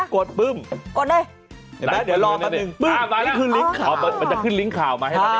กดเลยเห็นไหมเดี๋ยวรอแป๊บหนึ่งปื้มมันจะขึ้นลิงค์ข่าว